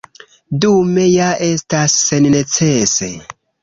Dume ja estas sennecese.